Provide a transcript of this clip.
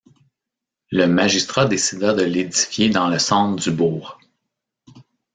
Le Magistrat décida de l’édifier dans le centre du bourg.